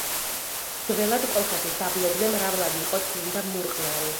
ძველად კოლხეთის დაბლობზე მრავლად იყო წმინდა მურყნარი.